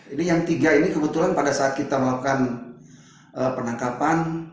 ini yang tiga ini kebetulan pada saat kita melakukan penangkapan